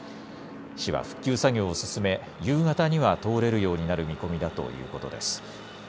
市は復旧作業を進め、夕方には通れるようになる見込みだということです。